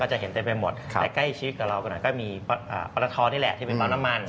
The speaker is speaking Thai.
ก็จะเห็นเต็มไปหมดแต่ใกล้ชีวิตกับเราก็มีปรณฑธรที่แหละที่เป็นฟ้าน้ำมัน